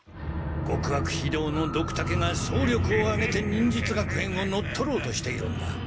極悪非道のドクタケが総力をあげて忍術学園を乗っ取ろうとしているんだ。